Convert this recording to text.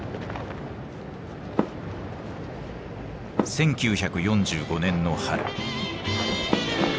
１９４５年の春。